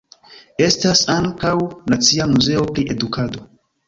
Estas ankaŭ "Nacia Muzeo pri Edukado".